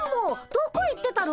どこ行ってたの？